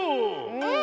うん！